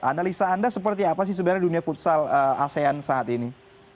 analisa anda seperti apa sih sebenarnya dunia futsal asean saat ini